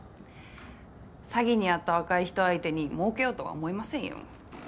詐欺に遭った若い人相手に儲けようとは思いませんよ